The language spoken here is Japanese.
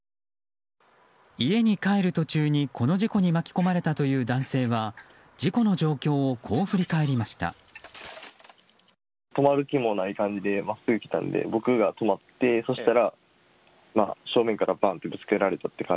家に帰る途中に、この事故に巻き込まれたという男性は事故の状況をこう振り返りました。